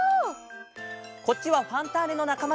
こっちは「ファンターネ！」のなかまたち。